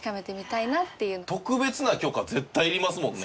特別な許可絶対いりますもんね。